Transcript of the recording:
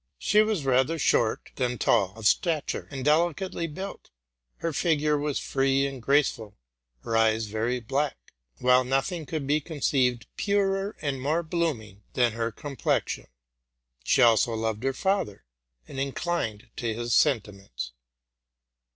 She was rather short than tall of stature, and delicately built: her figure was free and graceful, her eyes very black, while nothing could be conceived purer and more blooming than her complexion. She also loved her father, and inclined to his sentiments.